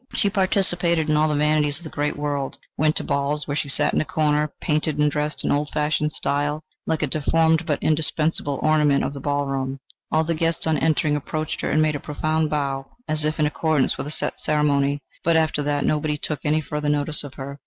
She participated in all the vanities of the great world, went to balls, where she sat in a corner, painted and dressed in old fashioned style, like a deformed but indispensable ornament of the ball room; all the guests on entering approached her and made a profound bow, as if in accordance with a set ceremony, but after that nobody took any further notice of her.